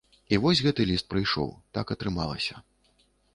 І вось гэты ліст прыйшоў, так атрымалася.